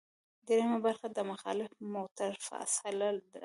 دریمه برخه د مخالف موټر فاصله ده